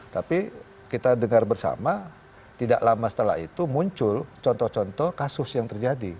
tapi kita dengar bersama tidak lama setelah itu muncul contoh contoh kasus yang terjadi